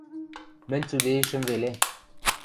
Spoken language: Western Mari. Мӹнь цӱдейӹшӹм веле.